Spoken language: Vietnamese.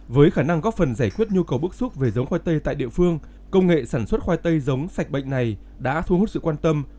với khả năng góp phần giải quyết nhu cầu bức xúc về giống khoai tây tại địa phương công nghệ sản xuất khoai tây giống sạch bệnh này đã thu hút sự quan tâm